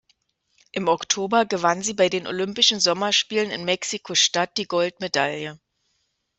Im Oktober gewann sie bei den Olympischen Sommerspielen in Mexiko-Stadt die Goldmedaille.